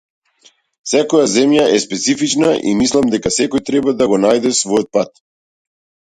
Секоја земја е специфична и мислам дека секој треба да го најде својот пат.